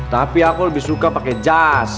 tapi aku lebih suka pakai jas